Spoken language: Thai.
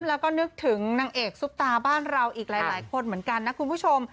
แล้วก็นึกถึงนางเอกซุปตาบ้านเราอีกหลายคนเหมือนกันนะคุณผู้ชม